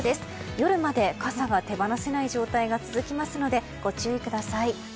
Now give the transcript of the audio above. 夜まで傘が手放せない状態が続くのでご注意ください。